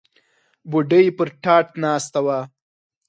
بوډۍ پر تاټ ناسته وه.